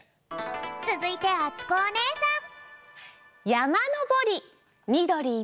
つづいてあつこおねえさん。